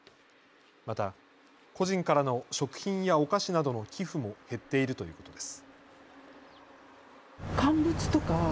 また個人からの食品やお菓子などの寄付も減っているということです。